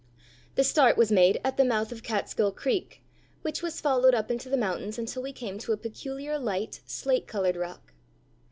The start was made at the mouth of Catskill Creek, which was followed up into the mountains until we came to a peculiar light, slate colored rock.